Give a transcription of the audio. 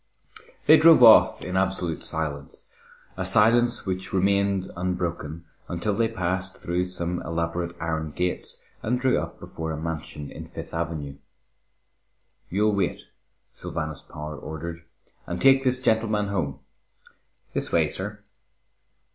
They drove off in absolute silence, a silence which remained unbroken until they passed through some elaborate iron gates and drew up before a mansion in Fifth Avenue. "You'll wait," Sylvanus Power ordered, "and take this gentleman home. This way, sir."